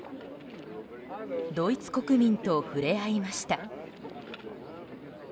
ドイツ国民と触れ合いました。